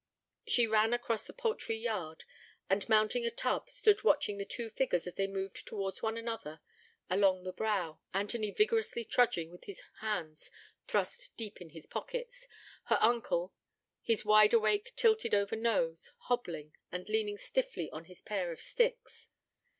She ran across the poultry yard, and mounting a tub, stood watching the two figures as they moved towards one another along the brow, Anthony vigorously trudging, with his hands thrust deep in his pockets; her uncle, his wideawake tilted over his nose, hobbling, and leaning stiffly on his pair of sticks.